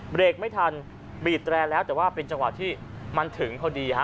เบรกไม่ทันบีบแตรแล้วแต่ว่าเป็นจังหวะที่มันถึงพอดีฮะ